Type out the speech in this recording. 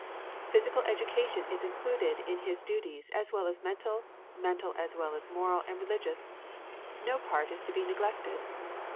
Physical education is included in his duties as well as mental, mental as well as moral and religious. No part is to be neglected.